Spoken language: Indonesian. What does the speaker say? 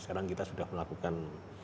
sekarang kita sudah melakukan